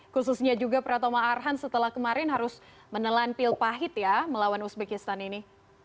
khususnya juga pratoma arhan setelah kemarin harus menelan pil pahit ya melawan uzbekistan ini